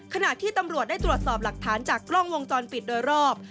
ขณะที่ตำรวจได้ตรวจสอบหลักฐานจากกล้องวงจรปิดโดยรอบ